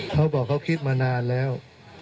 เขาบอกเขาคิดมานานแล้ว